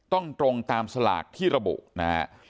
ตรงตามสลากที่ระบุนะฮะ